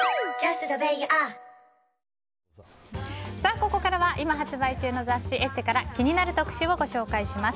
ここからは今発売中の雑誌「ＥＳＳＥ」から気になる特集をご紹介します。